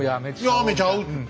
やめちゃおうって。